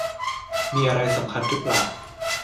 มีอะไรสำคัญหรือเปล่า